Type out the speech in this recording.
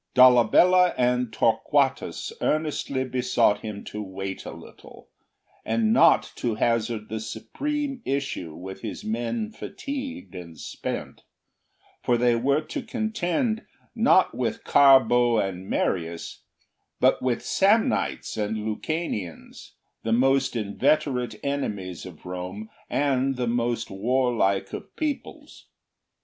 Dolabella and Torquatus earnestly besought him to wait a while, and not to hazard the supreme issue with his men fatigued and spent; for they were to contend not with Carbo and Marius, but with Samnites and Lucanians, the most inveterate enemies of Rome, and the most warlike of peoples.